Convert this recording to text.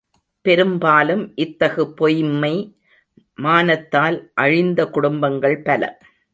பெரும்பாலும் இத்தகு பொய்ம்மை மானத்தால் அழிந்த குடும்பங்கள் பல!